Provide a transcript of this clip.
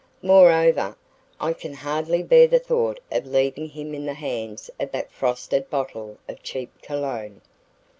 Moreover, I can hardly bear the thought of leaving him in the hands of that frosted bottle of cheap Cologne."